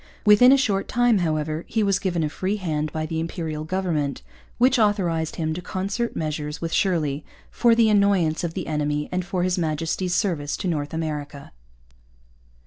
Within a short time, however, he was given a free hand by the Imperial government, which authorized him to concert measures with Shirley 'for the annoyance of the enemy, and for his Majesty's Service in North America.'